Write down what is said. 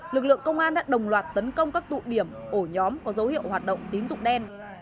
lực lượng công an đã đồng loạt tấn công các tụ điểm ổ nhóm có dấu hiệu hoạt động tín dụng đen